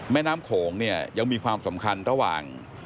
แม่น้ำโขงเนี่ยยังมีความสำคัญระหว่าง